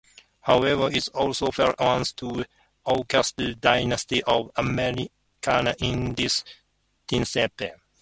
However, it also fell once to the Arsacid Dynasty of Armenia in this timespan.